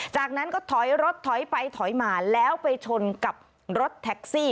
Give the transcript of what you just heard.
จากนั้นก็ถอยรถถอยไปถอยมาแล้วไปชนกับรถแท็กซี่